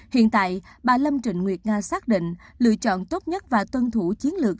hiện tại bà lâm trịnh nguyệt nga xác định lựa chọn tốt nhất và tuân thủ chiến lược